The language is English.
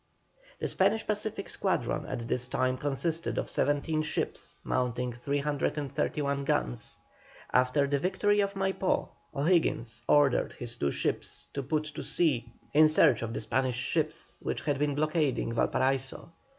The Spanish Pacific squadron at this time consisted of 17 ships, mounting 331 guns. After the victory of Maipó, O'Higgins ordered his two ships to put to sea in search of the Spanish ships which had been blockading Valparaiso.